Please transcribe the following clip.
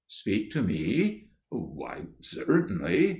"'Speak to me? Why, certainly.